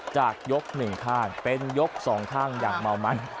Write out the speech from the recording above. จากยกหนึ่งข้างเป็นยกสองข้างอย่างเมามัน